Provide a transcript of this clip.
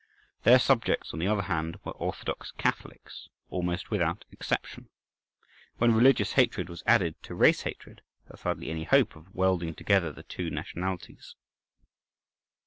Their subjects, on the other hand, were Orthodox Catholics, almost without exception. When religious hatred was added to race hatred, there was hardly any hope of welding together the two nationalities.